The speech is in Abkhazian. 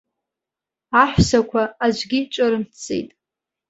Аҳәсақәа аӡәгьы ҿырымҭӡеит.